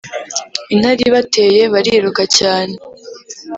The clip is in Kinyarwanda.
intare ibateye, bariruka cyane